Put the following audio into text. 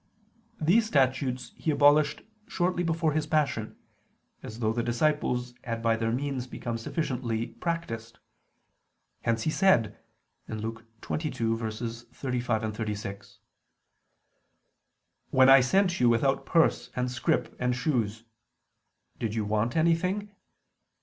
These statutes He abolished shortly before His Passion, as though the disciples had by their means become sufficiently practiced. Hence He said (Luke 22:35, 36) "When I sent you without purse and scrip and shoes, did you want anything?